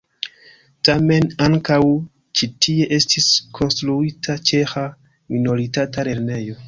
Tamen ankaŭ ĉi tie estis konstruita ĉeĥa minoritata lernejo.